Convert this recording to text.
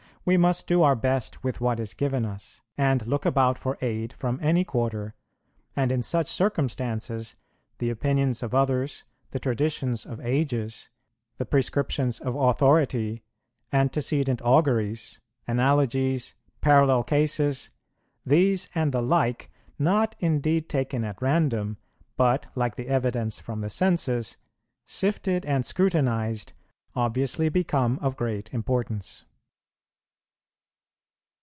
We must do our best with what is given us, and look about for aid from any quarter; and in such circumstances the opinions of others, the traditions of ages, the prescriptions of authority, antecedent auguries, analogies, parallel cases, these and the like, not indeed taken at random, but, like the evidence from the senses, sifted and scrutinized, obviously become of great importance.